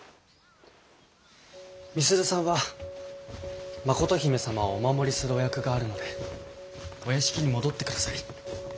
美鈴さんは真琴姫様をお守りするお役があるのでお屋敷に戻ってください。